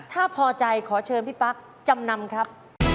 ถ้าพอใจขอเชิญพี่ปั๊กจำนำครับ